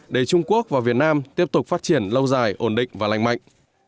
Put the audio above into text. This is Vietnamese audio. để trung quốc và việt nam tiếp tục phát triển lâu dài ổn định và lành mạnh